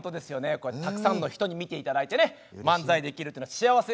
こうやってたくさんの人に見ていただいてね漫才できるってのは幸せ。